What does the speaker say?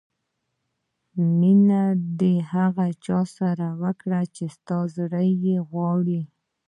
مینه د هغه چا سره وکړه چې ستا زړه یې غواړي.